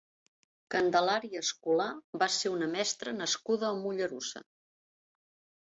Candelària Escolà va ser una mestra nascuda a Mollerussa.